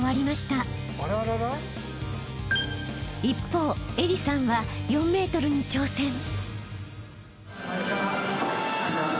［一方愛理さんは４ｍに挑戦］